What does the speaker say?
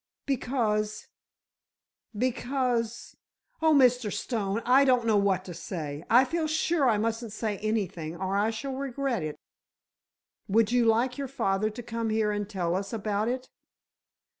"Because—because—oh, Mr. Stone, I don't know what to say! I feel sure I mustn't say anything, or I shall regret it." "Would you like your father to come here and tell us about it?"